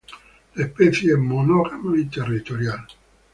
La especie es monógama y territorial.